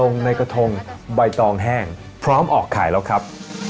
ในกระทงใบตองแห้งพร้อมออกขายแล้วครับ